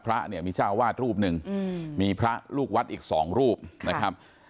พระเนี่ยมีเจ้าวาดรูปหนึ่งมีพระลูกวัดอีกสองรูปนะครับ